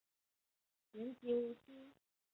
原籍无锡。